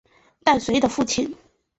戴渊的父亲。